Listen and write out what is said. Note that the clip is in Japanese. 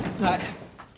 はい。